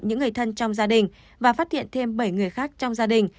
những người thân trong gia đình và phát hiện thêm bảy người khác trong gia đình